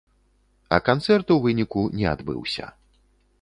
А канцэрт у выніку не адбыўся.